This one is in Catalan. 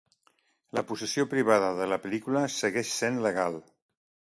La possessió privada de la pel·lícula segueix sent legal.